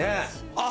あっ！